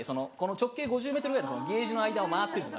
直径５０ｍぐらいのケージの間を回ってるんです。